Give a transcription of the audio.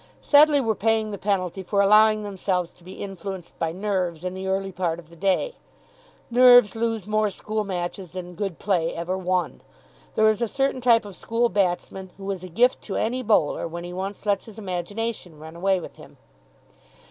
Sedleigh were paying the penalty for allowing themselves to be influenced by nerves in the early part of the day. Nerves lose more school matches than good play ever won. There is a certain type of school batsman who is a gift to any bowler when he once lets his imagination run away with him.